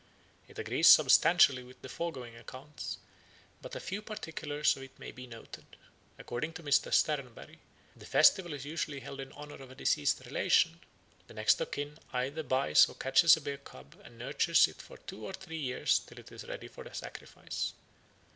It agrees substantially with the foregoing accounts, but a few particulars in it may be noted. According to Mr. Sternberg, the festival is usually held in honour of a deceased relation: the next of kin either buys or catches a bear cub and nurtures it for two or three years till it is ready for the sacrifice.